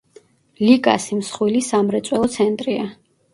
ლიკასი მსხვილი სამრეწველო ცენტრია.